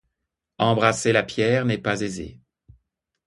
Embrasser la pierre n'est pas aisé.